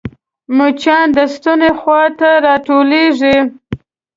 مچان د ستوني خوا ته راټولېږي